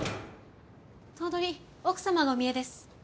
頭取奥様がお見えです。